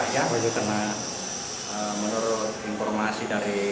itu terlalu menurut informasi dari